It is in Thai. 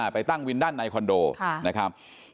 ไปตั้งวินด้านในคอนโดนะครับ